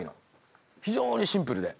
非常にシンプルで。